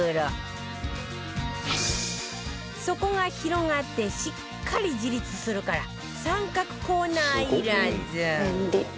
底が広がってしっかり自立するから三角コーナーいらず